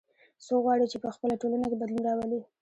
څوک غواړي چې په خپله ټولنه کې بدلون راولي